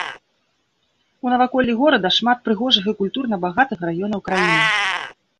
У наваколлі горада шмат прыгожых і культурна багатых раёнаў краіны.